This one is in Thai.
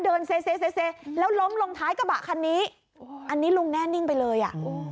เดินเซเซแล้วล้มลงท้ายกระบะคันนี้อันนี้ลุงแน่นิ่งไปเลยอ่ะ